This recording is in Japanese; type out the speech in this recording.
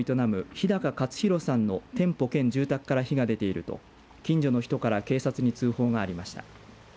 日高勝洋さんの店舗兼住宅から火が出ていると近所の人から警察に通報がありました。